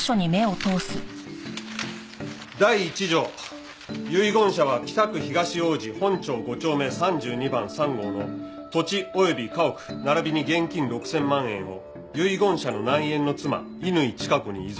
「第壱条遺言者は北区東王子本町五丁目三十二番三号の土地及び家屋ならびに現金六千万円を遺言者の内縁の妻乾チカ子に遺贈する」